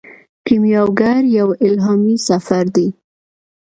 کیمیاګر یو الهامي سفر دی.